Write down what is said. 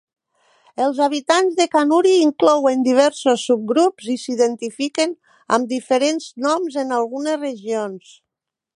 Els habitants de Kanuri inclouen diversos subgrups i s'identifiquen amb diferents noms en algunes regions.